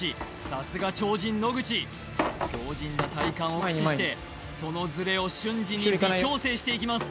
さすが超人野口強靱な体幹を駆使してそのずれを瞬時に微調整していきます